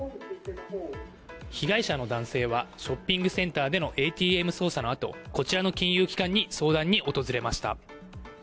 被害者の男性はショッピングセンターでのＡＴＭ操作のあとこちらの金融機関に相談に訪れました。